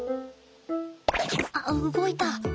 あっ動いた。